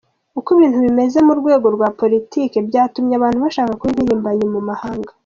Uko ibintu bimeze mu rwego rwa politike byatumye abantu bashaka kuba impirimbanyi mu mahanga.